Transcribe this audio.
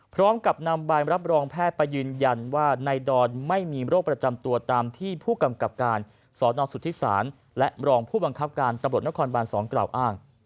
พร้อมกับนำใบรับรองแพทย์ไปยืนยันว่าในดอนไม่มีโรคประจำตัวตามที่ผู้กำกับการสนสุธิศาลและรองผู้บังคับการตำรวจนครบาน๒กล่าวอ้าง